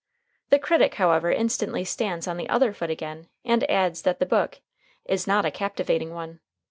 The critic, however instantly stands on the other foot again and adds that the book "is not a captivating one."